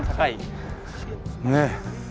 ねえ。